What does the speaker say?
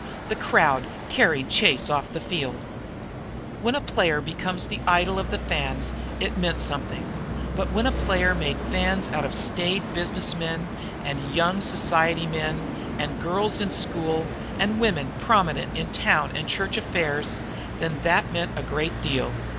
The crowd carried Chase off the field. When a player became the idol of the fans it meant something; but when a player made fans out of staid business men, and young society men, and girls in school, and women prominent in town and church affairs, then it meant a great deal.